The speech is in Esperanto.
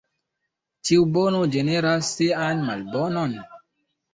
Ĉiu bono generas sian malbonon.